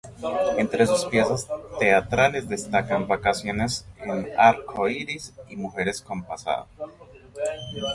Entre sus piezas teatrales destacan "Vacaciones en Arco Iris" y "Mujeres con pasado".